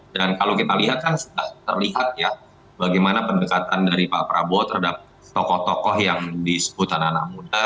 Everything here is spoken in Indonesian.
dan kalau kita lihat kan sudah terlihat ya bagaimana pendekatan dari pak prabowo terhadap tokoh tokoh yang disebut anak muda